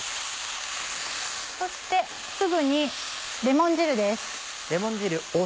そしてすぐにレモン汁です。